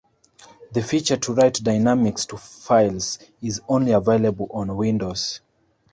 The feature to write dynamics to files is only available on Windows.